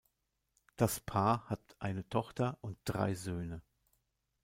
Das Paar hat eine Tochter und drei Söhne.